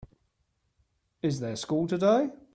Is there school today?